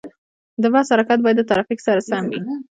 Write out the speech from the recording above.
د بس حرکت باید د ترافیک سره سم وي.